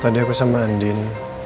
tadi aku sama andin